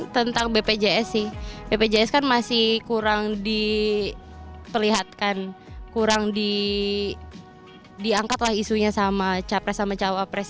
tentang bpjs sih bpjs kan masih kurang diperlihatkan kurang diangkatlah isunya sama capres sama cawapres